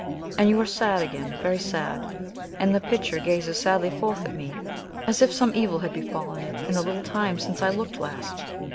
And you are sad again, very sad; and the picture gazes sadly forth at me, as if some evil had befallen it in the little time since I looked last."